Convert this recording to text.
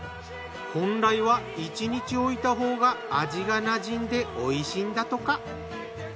本来は１日置いたほうが味がなじんでおいしいんだとか。